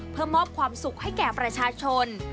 เพื่อมอบความสุขให้แก่ประชาชน